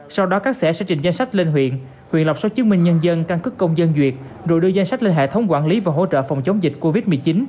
sau đó các xã sẽ trình danh sách lên huyện huyện lập số chứng minh nhân dân căn cức công dân duyệt rồi đưa danh sách lên hệ thống quản lý và hỗ trợ phòng chống dịch covid một mươi chín